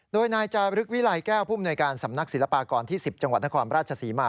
โดยนายจารึกวิลัยแก้วผู้มนวยการสำนักศิลปากรที่๑๐จังหวัดนครราชศรีมา